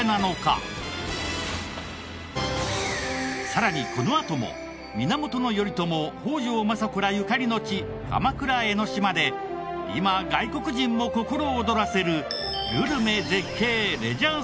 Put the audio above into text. さらにこのあとも源頼朝北条政子らゆかりの地鎌倉・江の島で今外国人も心躍らせるグルメ絶景レジャー